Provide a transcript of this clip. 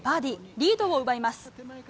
リードを奪います。